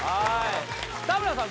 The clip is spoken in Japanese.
田村さん